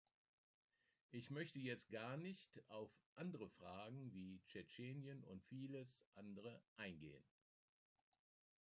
Ich möchte jetzt gar nicht auf andere Fragen wie Tschetschenien und vieles andere eingehen.